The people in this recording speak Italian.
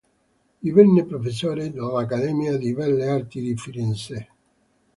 Divenne professore all'Accademia di Belle Arti di Firenze.